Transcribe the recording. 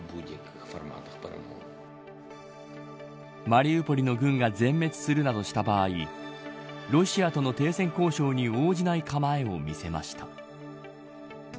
マリウポリの軍が全滅するなどした場合ロシアとの停戦交渉に応じない構えを見せました。